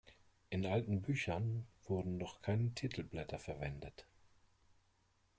In alten Büchern wurden noch keine Titelblätter verwendet.